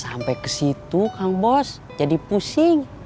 sampai ke situ kang bos jadi pusing